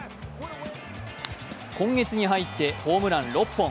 今月に入ってホームラン６本。